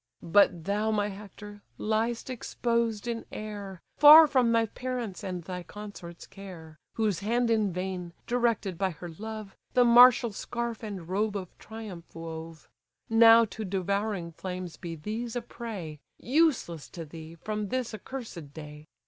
But thou, my Hector, liest exposed in air, Far from thy parents' and thy consort's care; Whose hand in vain, directed by her love, The martial scarf and robe of triumph wove. Now to devouring flames be these a prey, Useless to thee, from this accursed day!